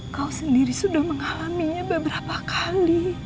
kau sendiri sudah mengalaminya beberapa kali